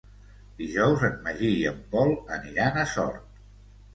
Dijous en Magí i en Pol aniran a Sort.